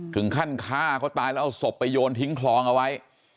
ถึงขั้นฆ่าเขาตายแล้วเอาศพไปโยนทิ้งคลองเอาไว้